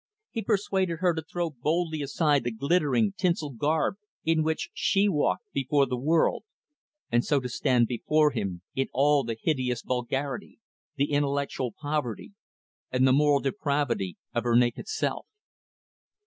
He persuaded her to throw boldly aside the glittering, tinsel garb in which she walked before the world, and so to stand before him in all the hideous vulgarity, the intellectual poverty and the moral depravity of her naked self.